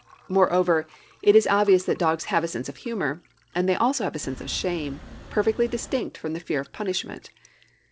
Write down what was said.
Moreover, it is obvious that dogs have a sense of humor; and they have also a sense of shame, perfectly distinct from the fear of punishment.